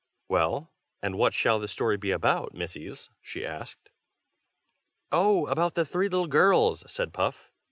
"Well, and what shall the story be about, Missies?" she asked. "Oh! about the three little girls!" said Puff.